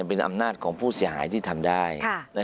เป็นอำนาจของผู้เสียหายที่ทำได้